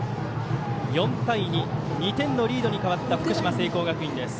４対２と２点のリードに変わった福島・聖光学院です。